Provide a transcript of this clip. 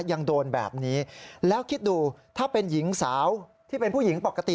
ยังโดนแบบนี้แล้วคิดดูถ้าเป็นหญิงสาวที่เป็นผู้หญิงปกติ